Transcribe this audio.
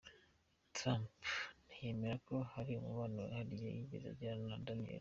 Trump ntiyemera ko hari umubano wihariye yigeze agirana na Daniels.